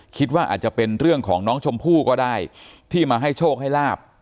คิดว่าอาจจะเป็นเรื่องของน้องชมพู่ก็ได้ที่มาให้โชคให้ลาบ